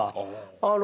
ああ。